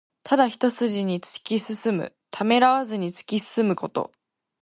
ただ一すじに突き進む。ためらわずに突き進むこと。